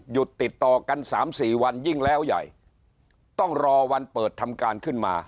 ติดต่อกันสามสี่วันยิ่งแล้วใหญ่ต้องรอวันเปิดทำการขึ้นมา